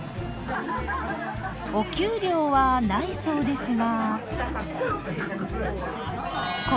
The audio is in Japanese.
お給料はないそうですが。